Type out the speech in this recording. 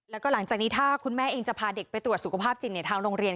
แล้วก็หลังจากนี้ถ้าคุณแม่เองจะพาเด็กไปตรวจสุขภาพจริงทางโรงเรียน